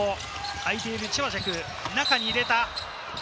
あいているチェバシェク、中に入れた！